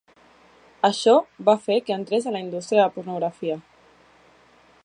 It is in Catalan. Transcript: Això va fer que entrés en la indústria de la pornografia.